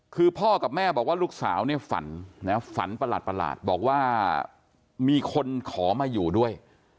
คือพ่อกับแม่บอกว่าลูกสาวเนี่ยฝันนะฝันประหลาดบอกว่ามีคนขอมาอยู่ด้วย